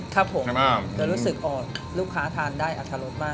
ครับผมจะรู้สึกอ่อนลูกค้าทานได้อัตรรสมาก